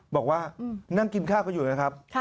บอกว่านั่งกินข้าวกันอยู่นะครับ